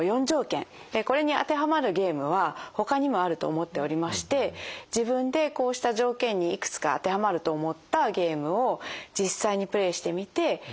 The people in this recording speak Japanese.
これに当てはまるゲームはほかにもあると思っておりまして自分でこうした条件にいくつか当てはまると思ったゲームを実際にプレーしてみてイライラとか